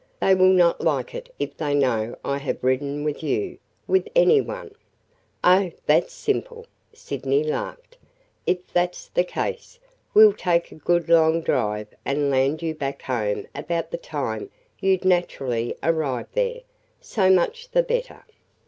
They will not like it if they know I have ridden with you – with any one!" "Oh, that 's simple!" Sydney laughed. "If that 's the case, we 'll take a good long drive and land you back home about the time you 'd naturally arrive there. So much the better!"